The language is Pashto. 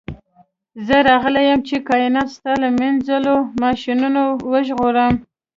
زه راغلی یم چې کائنات ستا له مینځلو ماشینونو وژغورم